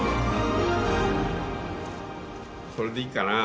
これでいいかな。